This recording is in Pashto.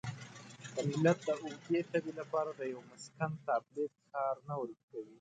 د ملت د اوږدې تبې لپاره د یوه مسکن تابلیت کار نه ورکوي.